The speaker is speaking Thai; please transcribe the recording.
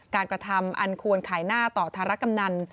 กระทำอันควรขายหน้าต่อธารกำนัน